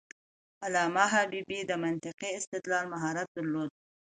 علامه حبيبي د منطقي استدلال مهارت درلود.